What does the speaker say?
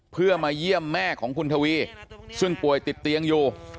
เพื่อมาเยี่ยมแม่ของคุณทวีซึ่งป่วยติดเตียงอยู่